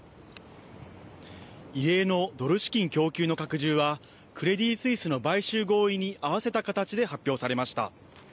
異例のドル資金供給の拡充はクレディ・スイスの買収合意に合わせた形で発表されました。